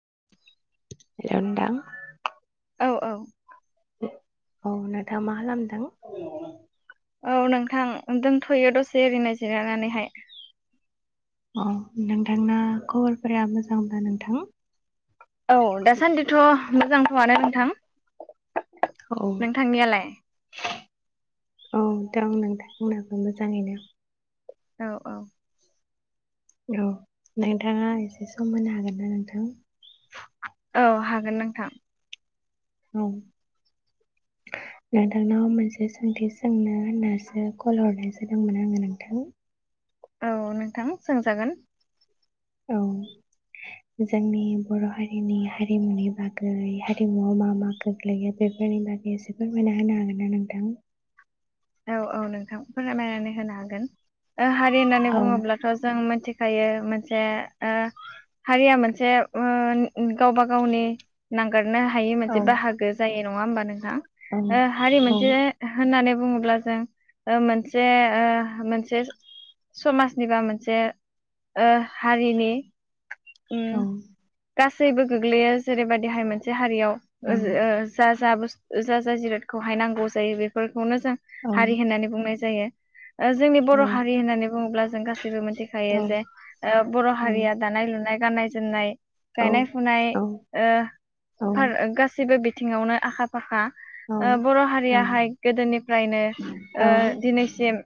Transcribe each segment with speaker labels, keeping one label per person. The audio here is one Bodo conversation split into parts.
Speaker 1: [inaudible]
Speaker 2: [unintelligible]
Speaker 1: औ औ
Speaker 2: औ नोंथाङा मा खालामदों?
Speaker 1: औ नोंथां दोंथ'यो दसे ओरैनो जिरायनानैहाय ।
Speaker 2: औ नोंथांना खबरफोरा मोजांब्ला नोंथां
Speaker 1: औ दासान्दिथ' मोजांथ'आनो नोंथां।
Speaker 2: औ
Speaker 1: नोंथांनियालाय?
Speaker 2: औ दं नोंथां आंनाबो मोजाङैनो।
Speaker 1: औ औ
Speaker 2: औ नोंथाङा एसे सम होनो हागोन ना नोंथां?
Speaker 1: औ हागोन नोंथां।
Speaker 2: औ नोंथांनाव मोनसे सोंथि सोंनो होननासो कल हरनाय जादोंमोन आङो नोंथां।
Speaker 1: औ नोंथां सोंजागोन।
Speaker 2: औ जोंनि बर' हारिनि हारिमुनि बागै हारिमुआव मा मा गोग्लैयो बेफोरनि बागै एसे फोरमायना होनो हागोन ना नोंथां?
Speaker 1: औ औ नोंथां फोरमायनानै होनो हागोन। ओ हारि होननानै
Speaker 2: हागोन
Speaker 1: बुङोब्लाथ' जों मोन्थि खायो मोनसे ओ हारिया मोनसे ओ गावबा गावनि नांगार नो हायै मोनसे
Speaker 2: ना
Speaker 1: बाहागो जायो। नङा होमबा नोंथां?
Speaker 2: औ
Speaker 1: ओ हारि मोनसे होननानै बुङो ल्बा जों ओ मोनसे ओ मोनसे समाजनि बा मोनसे ओ हारिनि उम
Speaker 2: औ
Speaker 1: गासैबो गोग्लैया जेरैबायदिहाय मोनसे हारियाव ओ जा जा ब जा जा जिरादखौहाय नांगौ जायो बेफोरखौनो जों
Speaker 2: औ
Speaker 1: हारि होननानै बुंनाय जायो। ओ जोंनि बर'
Speaker 2: औ
Speaker 1: हारि होननानै बुङोब्ला जों गासैबो
Speaker 2: औ
Speaker 1: मिथिखायो जे ओ बर' हारिया दानाय लुनाय, गाननाय जोमनाय, गायनाय फुनाय ओ फा-गासैबो बि थिङावनो आखा फाखा। ओ बर' हारियाहाय गोदोनि फ्रायनो ओ दिनैसिम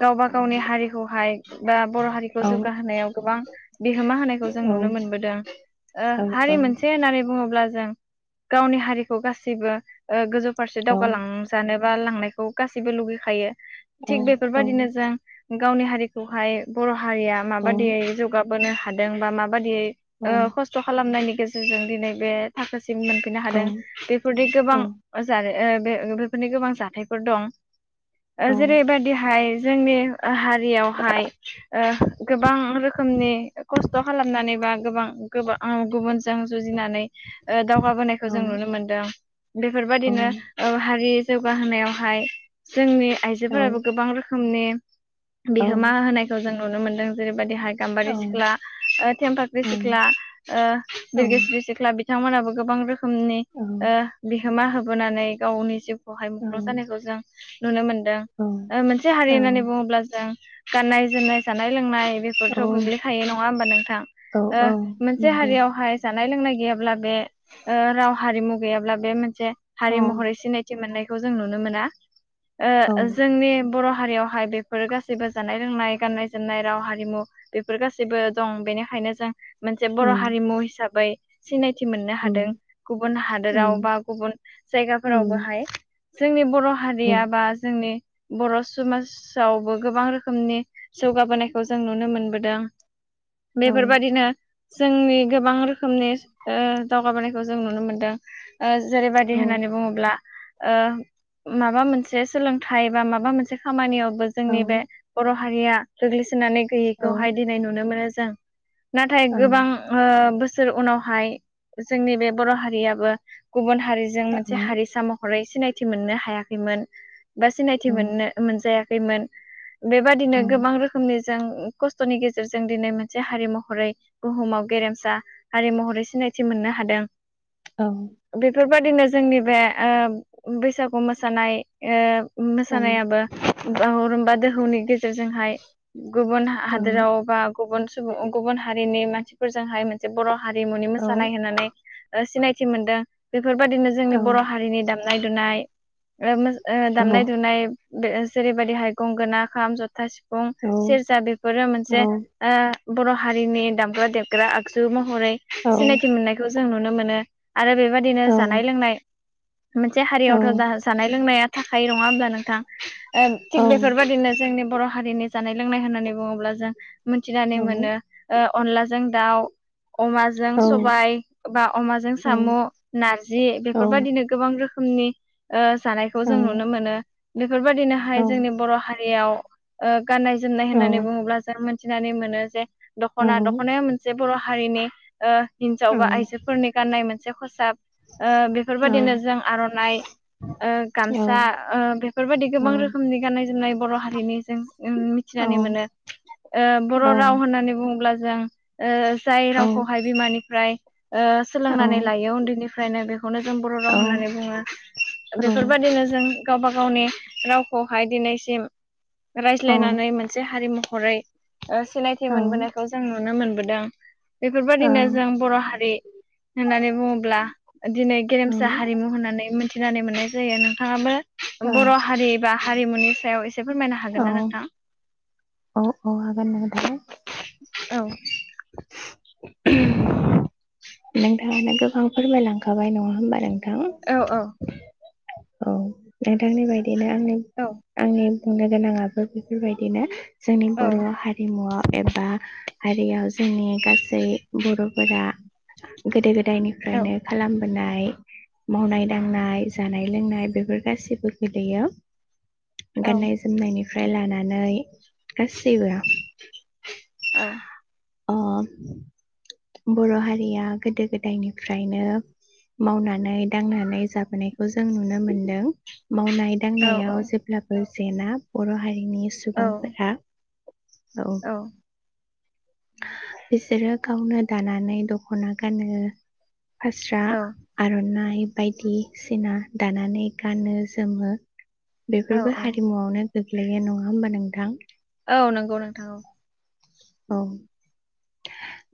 Speaker 1: गावबा गावनि हारिखौहाय बा बर' हारिखौ जौगाहोनायाव गोबां बिहोमा होनायखौ जों नुनो मोनबोदों ओ हारि मोनसे होननानै बुङोब्ला जों गावनि हारिखौ गासिबो ओ गोजौ फारसे दावगालांजानो बा लांनाय खौ गासिबो लुगै खायो । थिग बेफोरबादिनो जों गावनि हारिखौहाय बर' हारिया माबायदियै जौगा बोनो हादों बा माब बादियै ओ खस्थ' खालामनायनि गेजेरजों दिनै बे थाखो सिम मोनफैनो हादों बेफोरदि गोबां जादों। ओ बे बेफोरनि गोबां जाथाय फोर दं। ओ जेरैबादि हाइ जोंनि ओ हारियावहाय ओ गोबां रोखोमनि खस्थ' खालामनानै बा गोबां गोबां गुबुनजों जुजिनानै ओ दावगाबोनायखौ जों नुनो मोनदों बेफोरबायदिनो ओ हारि जौगाहोनायाव हाय जोंनि आइजोफोराबो गोबां रोखो मनि बिहोमा होनायखौ जों नुनो मोनदों जेरैबायदि हाइ गाम्बारि सिख्ला ओ थेमफाख्रि सिख्ला ओ बिरगोस्रि सिख्ला बिदि नोंथांमोनाबो गोबां रोख खोमसि ओ बिहो होमा होबोनानै गावनि जिउ [unintelligible] जानायखौ जों नुनो मोन नो ओ मोनसे हारि होननानै बुङोब्ला जों गाननाय जोमनाय जानाय लोंनाय। बेफोरथ' गोग्लैखायो नङा होमबा नोंथां ओ मोनसे हारियावहाय जा नाय लोंनाय गैयाब्ला बे ओ राव हारिमु गैयाब्ला बे मोनसे हारि महरै सिनायथि मोननाय जों नुनो मोना। ओह जोंनि बर' हारियावहाय बेफोर गासैबो जानाय लोंनाय गाननाय जोमनाय राव हारिमु बेफोर गासैबो दं बेनिखायनो जों मोनसे बर' हारिमु हिसाबै सिनाय मोननो हादों गुबुन हादोराव बा गुबुन जायगाफोरावबोहाय जोंनि बर' हारिया बा जोंनि बर' समाजावबो गोबां रोखोमनि जौगाबोनायखौ जों नुनो मोनबोदों बेफोरबायदिनो जोंनि गोबां रोखोमनि ओ दावगाबोनायखौ जों नुनो मोनदों ओ जेरैबायदि होननानै बुङोब्ला ओ माबा मोनसे सोलोंथाइ बा माबा मोनसे खामानियाव जोंनि बे बर' हारिया गोग्लैसो सोनानै गैयैखौहाय दिनै नुनो मोनो जों नाथाय गोबां ओ बो सो उनावहाय जोंनि बे बर' हारियाबो गुबुन हारिजों मोनसे
Speaker 2: औ
Speaker 1: हारिसा महरै सिनायथि थि मोननो हायाखैमोन बा सिनायथि मोननो मोनजाया खैमोन बेबायदिनो गोबां रोखोमनि जों खस्थ'नि गेजेरजों दिनै मोनसे हारि महरै बुहुमाव गेरेमसा हारि महरै सिनायथि मोननो हादों।
Speaker 2: औ
Speaker 1: बेबायादिनो जोंनि बे ओ बैसागु मोसानाय ओ मोसानायाबो बागुरुम्बा दोहौनि गेजेरजोंहाय गुबुन हा-हादोराव बा गुबुन सुबुं गुबुन हारिनि मानसिफोरजोंहाय मोनसे बर' हारिमुनि मोसानाय होनानै ओ सिनायथि मोनदों बेफब बेफोरबायदिनो जोंनि बर' हारिनि दाम [unintelligible] ओ दामनाय दुनाय जेरैबायदिहाय गंगोना, खाम, जथा सिं फुं सेरजा बेफोरो मोनसे ओ बर' हारिनि दामग्रा देबग्रा आगजु म महरै सिनायथि मोननायखौ ज जों नुनो मोनो। आरो बेबदिनो जानाय लोंनाय मोनसे हारियावथ' दा जानाय लोंनाया थाखायो नङा होमब्ला नोंथां? थिग बेफोरबायदिनो जोंनि बर' हा हारिनि जानाय लोंनाय होननानै बुङोब्ला जों मोनथिनानै मोनो ओ अनलाजों दाउ अमाजों सबाय बा अमाजों साम' नारजि बेफोरबायदिनो रोखोमनि ओ जानायखौ जों नुनो मोनो। बेफोरबायदिनोहाय जोंनि बर' हारियाव ओ गाननाय जोमनाय होननानै बुङोब्ला जों मोन मिथिनानै मोनो जे दख'ना दख'नाया मोनसे बर' हारिनि ओ हिनजाव बा आइजोफोरनि गाननाय मोन से खसाब ओ बेफोरबायादिनो जों आर'नाइ ओ गामसा ओ बेफोरबायदि गोबां रोखोमनि गाननाय जोमनाय बर' हारिनि जों मिथिनानै मोनो। ओ बर' राव होननानै बु ब्ला जों ओ जाय रावखौहाय बिमानि फ्राय ओ सोलोंनानै लायो उन्दैनिफ फ्रायनो बेखौनो जों [unintelligible] होननानै बुङो बेफोरबादिनो जों गावबा गावनि रावखौहाय दिनैसिम रायज्लायनानै मोनसे हारिमु हरै। ओ सिनायथि मोनबोनायखौ जों नुनो मोनबोदों। बेफोरबायादिनो जों बर' हारि होननानै बुङोब्ला दिनै गेरेम [unintelligible] हारिमु होननानै मिथिनानै मोननाय जायो नोंथाङाबो। बर' हारि एबा। हारिमुनि सायाव एसे। फोरमायनो हागोन
Speaker 2: औ
Speaker 1: ना नोंथां?
Speaker 2: औ औ हागोन [unintelligible]
Speaker 1: औ।
Speaker 2: [unintelligible] नोंथाङानो गोबां फोरमायलां खाबाय नङा होमबा नों
Speaker 1: औ औ।
Speaker 2: औ नोंथांनि बायदि। बिदिनो आंनि
Speaker 1: औ
Speaker 2: आंनि। बुंनो गोनाङाबो बेफोरबायदिनो। जोंनि
Speaker 1: औ
Speaker 2: बर' हारिमुआव एबा हारियाव जोंनि गासै। बर'फोरा गोदो गोदा
Speaker 1: औ
Speaker 2: दायनिफ्रायनो खालाम नाय मावनाय दांनाय जा नाय लोंनाय बेफोर गासिबो गोलैयो।
Speaker 1: औ
Speaker 2: गाननाय जोमनायनि फ्राय लानानै गासैबो।
Speaker 1: औ।
Speaker 2: अ। बर' हारिया गोदो गोदायनिफ्रायनो मावनानै दांनानै जाबोनाय। जों नुनो मोनदों मावनाय दांनायाव जेब्लाबो। जेना बर' हारि रिनि
Speaker 1: औ
Speaker 2: सुबुंफोरा। औ। बिसोरो गावनो दानानै दख'ना गानो। फास्रा
Speaker 1: औ
Speaker 2: आरनाइ। बायदिसिना दानानै गानो जोमो।
Speaker 1: औ
Speaker 2: बेफोरबो
Speaker 1: औ
Speaker 2: हारिमुआवनो। गोग्लैयो नङा होमबा नोंथां?
Speaker 1: औ नंगौ नोंथां औ।
Speaker 2: औ।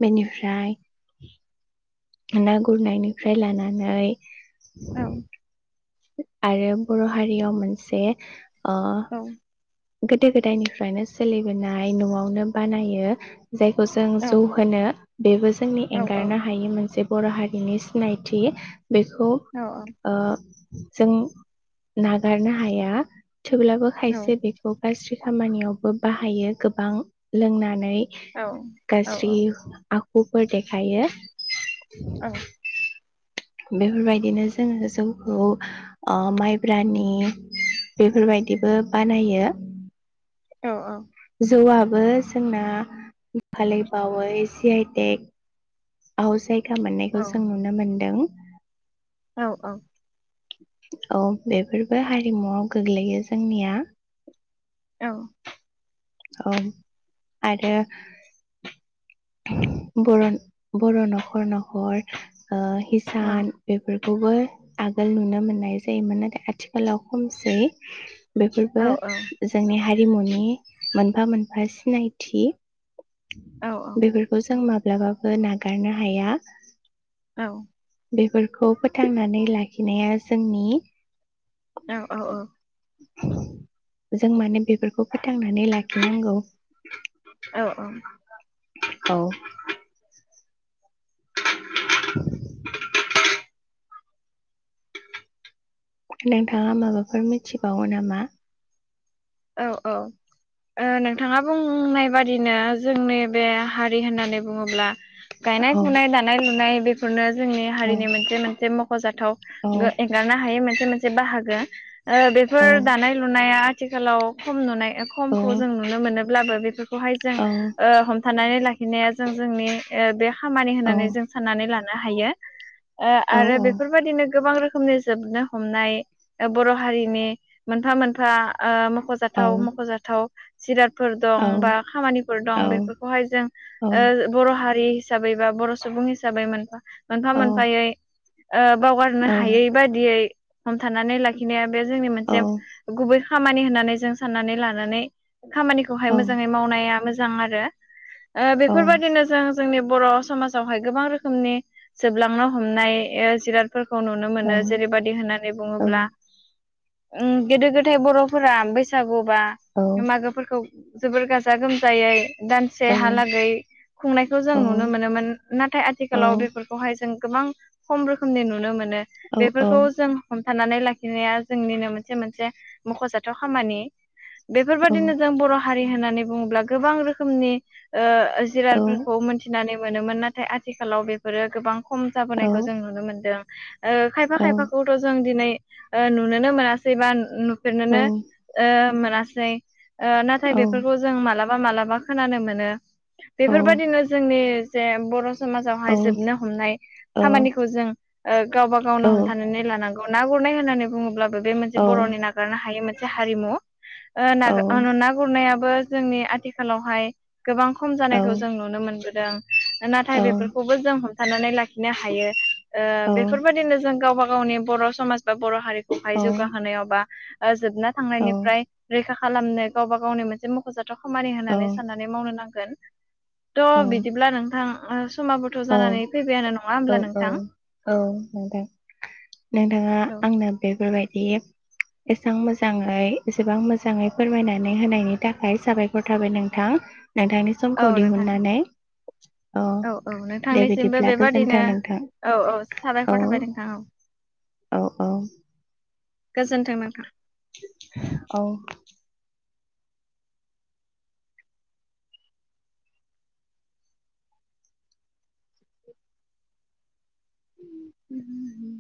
Speaker 2: बेनिफ्राय। ना गुरनायनिफ्राय लानानै।
Speaker 1: औ।
Speaker 2: आरो बर हारियाव मोनसे। ओ
Speaker 1: औ
Speaker 2: गोदो गोदायनिफ्रायनो सोलिबोनाय नआवनो बानायो। जायखौ जों जौ होनो। बेबो। जोंनि
Speaker 1: औ औ
Speaker 2: एंगारनो हायै मोनसे। बर हारिनि सिनायथि। बेखौ
Speaker 1: औ
Speaker 2: ओ जों नागारनो हाया। थेवब्लाबो खायसे बेख ज्रि खामानियावबो बाहायो गोबां लोंनानै।
Speaker 1: औ औ
Speaker 2: गाज्रि आखुफोर देखायो।
Speaker 1: औ औ
Speaker 2: बेफोरबायदिनो जोङो जौखौ ओ माइब्रानि बेफोरबायदिबो बानायो। जौआ । बो जोंना दाखालै बावै जि आइ टेक। आव जाय जायगा मोननायखौ जों नुनो मोनदों।
Speaker 1: औ औ।
Speaker 2: औ बेफोरबो हारिमुआव गोग्लैयो जोंनिया।
Speaker 1: औ।
Speaker 2: औ आरो। बर बर नखर नखर। ओ हिसान बेफोरख खौवबो आगोल नुनो मोननाय जायोमोन नाथाय आथिखालाव। खमसै बेफोरबो जोंनि। हारिमुनि मोनफा मोनफा सिनायथि। बेफोरखौ जों माब ब्लाबाबो नागारनो हाया।
Speaker 1: औ।
Speaker 2: बेफोरखौ फोथांनानै लाखिनाया जोंनि
Speaker 1: औ औ औ।
Speaker 2: जों माने बेफ फोरखौ फोथांनानै लाखिनांगौ। औ। [inaudible] नोंथाङा माबाफोर मिथिबावो नामा?
Speaker 1: औ औ ओह नोंथाङा बुंनाय बादिनो जोंनि बे हारि होननानै बुङोब्ला गायनाय
Speaker 2: औ
Speaker 1: फुनाय दानाय लुनाय। बेफोरनो। जोंनि
Speaker 2: औ
Speaker 1: हारिनि मोनसे मोनसे मख खजाथाव
Speaker 2: औ
Speaker 1: गो-एंगारनो हायै मोनसे मोनसे बाहागो। ओह
Speaker 2: औ
Speaker 1: बेफोर दानाय लुनाया आथिखालाव खम नुनाय।
Speaker 2: औ
Speaker 1: खमखौ जों नुनो मोनो ब्लाबो बेफोरख खौहाय जों
Speaker 2: औ
Speaker 1: ओह हम थानानै लाखिनाया जों जोंनि ओ बे। खामानि होननानै जों साननानै लाना नो हायो। ओ आरो
Speaker 2: औ
Speaker 1: बेफोरबायदिनो गोबां रोखोम रोखोमनि जोबनो हमनाय ओ बर' हारिनि मोनफा मोनफा ओह मख
Speaker 2: औ
Speaker 1: मख'जाथाव मख'जाथाव जिराद फोर दं
Speaker 2: औ
Speaker 1: बा खामानिफोर
Speaker 2: औ नोंथां
Speaker 1: दं बेफोरखौहाय जों ओ बर' हारि हिसाबै बा बर' सुबुं हिसाबै मोनफा मोनफा मोनफायै ओ बावगारनो हायै बादियै हमथानानै लाखिनायाब बे जोंनि मोनसे गुबै खामानि होननानै जों साननानै लानानै खामानिखौहाय मोजाङै मावनाया मोज मोजां आरो। ओ बेफोरबायदिनो जों जोंनि बर' समाजावहाय गोबां रोखोमनि जोबलांनो हमनाय ओ जिराद फोरखौ नुनो मोनो जेरैबादि होननानै बुङोब्ला उम गोदो गोदाय बर' फोरा बैसागु बा मागोफोरखौ जोबोर गाजा गोमजायै दानसे हालागै खुंनायखौ जों नुनो मोनोमोन नाथाय आथिखालाव बेफोरखौहाय जों गोबां खम रोखोमनि नुनो मोन नो बेफोरखौ जों ह थानानै लाखिनाया जोंनिनो मोनसे मोनसे मख'जाथाव खामानि। बेफोरबायदिनो जों बर' हारि होननानै बुङोब्ला गोबां रोखोमनि ओ जिरादफोरखौ मोनथिनानै मोनोमोन नाथाय आथिखालाव बेफोरो गोबां खम जाबोनायखौ जों नुनो मोन्दों। ओ खायफा खायफाखौथ' जों दिनै ओ नुनोनो मोनासै बा नु बिसोरनोनो ओ मोनासै। ओ नाथाय बेफोरखौ जों मालाब मालाबा मालाबा खोनानो मोनो। बेफोरबायदिनो जोंनि जे बर' समाजावहाय जोबनो हमनाय खामानिखौ जों [inaudible] गावबा गावनो हमथानानै लानांगौ। ना गुरनाय होननानै बुङोब्ला बे मोनसे बर'नि नाग हायो मोनसे हारिमु ओ ना ना गुरनाय याबो जोंनि आथिखालावहाय गोबां खम जानायखौ जों नुनो मोन [inaudible] नाथाय बेफोरखौबो जों साननानै लाखिनो हायो ओ बेफोरबायाददिनो जों गावबा गावनि बर' समाज बा बर' हारि बेहाय जौगाहोनायाव बा आ जोबना थांनायनिफ्राय रैखा खालामनो गावबा गावनि मोनसे मख'जाथ खामानि होनानै साननानै मावनो नां [unintelligible] थ' बिदिब्ला नोंथां [unintelligible]
Speaker 2: औ
Speaker 1: जानानै फैबायानो नङा
Speaker 2: औ
Speaker 1: होमब्ला
Speaker 2: औ
Speaker 1: नोंथां
Speaker 2: औ नोंथां नोंथाङा
Speaker 1: औ
Speaker 2: आंना बेफोरबायदि एसेबां मोजाङै एसेबां मोजाङै फोरमायनानै होनायनि थाखाय साबायखर थाबाय नोंथां। नोंथांनि
Speaker 1: औ
Speaker 2: समखौ
Speaker 1: नोंथां
Speaker 2: दिहुननानै अ।
Speaker 1: औ औ नोंथांनिसिमबो बेबादिनो औ औ
Speaker 2: औ
Speaker 1: साबायखर थाबाय नोंथां औ।
Speaker 2: औ औ।
Speaker 1: गोजोन्थों नोंथा ।
Speaker 2: औ
Speaker 1: हम्म, हम्म,